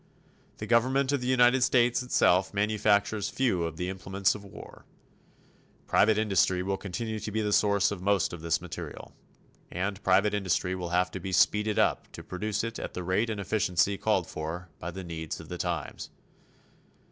The government of the United States itself manufactures few of the implements of war. Private industry will continue to be the source of most of this materiel, and private industry will have to be speeded up to produce it at the rate and efficiency called for by the needs of the times.